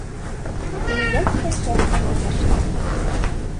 Ингәс тә шәфҡәт туташынан: